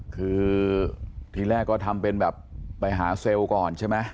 คือทีแรกก็ทำเป็นแบบไปหาเซลล์ก่อนใช่ไหม